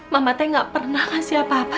mamate gak pernah ngasih apa apa